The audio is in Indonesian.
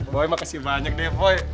boy makasih banyak nih boy